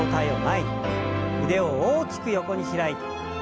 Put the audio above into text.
腕を大きく横に開いて。